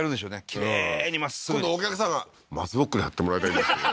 きれいにまっすぐ今度お客さんが「松ぼっくり貼ってもらいたいんですけど」